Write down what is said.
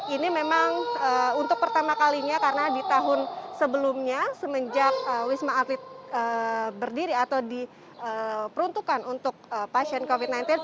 ini memang untuk pertama kalinya karena di tahun sebelumnya semenjak wisma atlet berdiri atau diperuntukkan untuk pasien covid sembilan belas